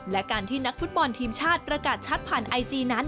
และการที่นักฟุตบอลทีมชาติประกาศชัดผ่านไอจีนั้น